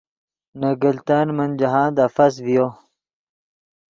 نے گلتن من جاہند افس ڤیو